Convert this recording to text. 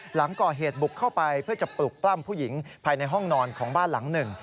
หลังก่อเหตุบุกเข้าไปเพื่อจะปลุกปล้ำผู้หญิงภายในห้องนอนของบ้านหลังหนึ่ง